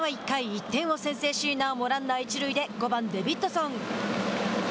１点を先制しなおもランナー一塁で５番デビッドソン。